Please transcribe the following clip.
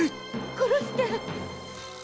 殺してっ！